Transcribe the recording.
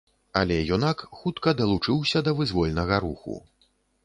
Але юнак хутка далучыўся да вызвольнага руху.